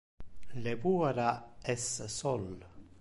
Le puera es sol.